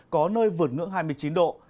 có nơi vượt ngưỡng hai mươi chín độ